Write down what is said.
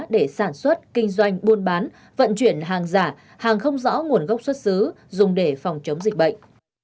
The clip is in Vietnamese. để sản xuất kinh doanh buôn bán vận chuyển hàng giả hàng không rõ nguồn gốc xuất xứ dùng để phòng chống dịch bệnh